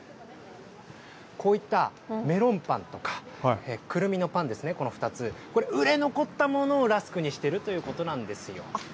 こういったメロンパンとか、くるみのパンですね、この２つ、これ、売れ残ったものをラスクにしてるということなんですよ。